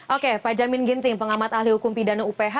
oke pak jamin ginting pengamat ahli hukum pidana uph